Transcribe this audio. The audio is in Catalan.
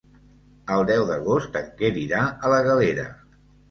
El deu d'agost en Quer irà a la Galera.